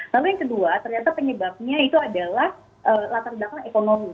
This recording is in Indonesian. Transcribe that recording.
lalu yang kedua ternyata penyebabnya itu adalah latar belakang ekonomi